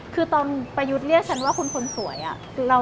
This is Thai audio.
คือตอนประยุทธ์เรียกฉันว่าคุณคนสวยอะ